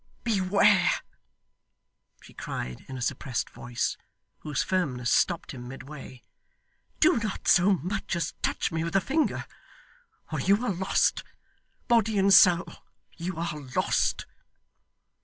'Beware!' she cried in a suppressed voice, whose firmness stopped him midway. 'Do not so much as touch me with a finger, or you are lost; body and soul, you are lost.